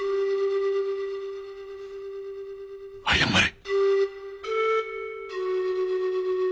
謝れ。